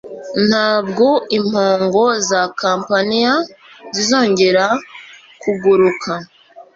Ntabwo impongo za Campania zizongera kuguruka